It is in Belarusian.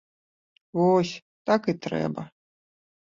Вось так і трэба.